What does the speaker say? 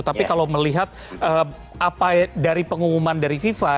tapi kalau melihat apa dari pengumuman dari fifa